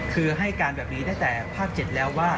คือให้การแบบนี้ตั้งแต่ภาค๗แล้วว่า